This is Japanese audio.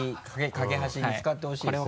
架け橋に使ってほしいです。